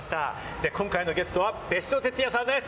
で、今回のゲストは別所哲也さんです。